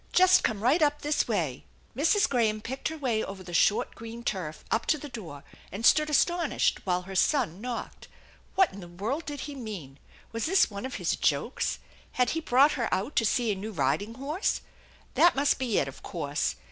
Just come right up this way." Mrs. Graham picked her way over the short green turf up to the door and stood astonished while her son knocked. What in the world did he mean? Was this one of his jokes? Had he brought her out to see a new riding horse ? That must be it, of course.